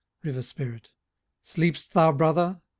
RIVBR SPIRIT. " Sleep'st thou, brother